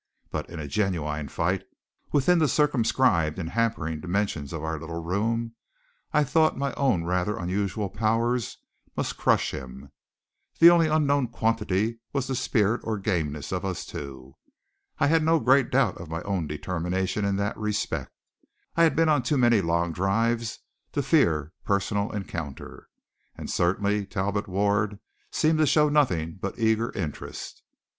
But in a genuine fight, within the circumscribed and hampering dimensions of our little room, I thought my own rather unusual power must crush him. The only unknown quantity was the spirit or gameness of us two. I had no great doubt of my own determination in that respect I had been on too many log drives to fear personal encounter. And certainly Talbot Ward seemed to show nothing but eager interest.